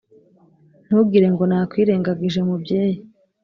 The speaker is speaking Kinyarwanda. Ntugirengo nakwirengagije mubyeyi